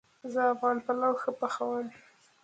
زه افغان پلو ښه پخوم